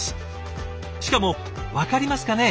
しかも分かりますかね？